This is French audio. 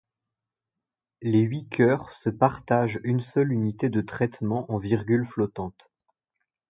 Les huit cœurs se partagent une seule unité de traitement en virgule flottante.